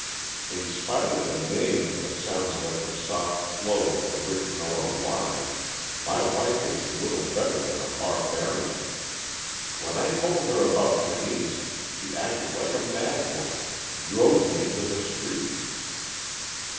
In spite of the name that sounds like the soft flow of a rich mellow wine, my wife is little better than a barbarian. When I told her about Tenise, she acted like a mad woman drove me into the streets."